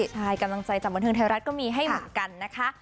ใช่กำลังใจจากบันเทิงไทยรัฐก็มีให้เหมือนกันนะคะ